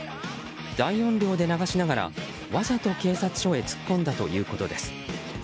大音量で流しながらわざと警察署へ突っ込んだということです。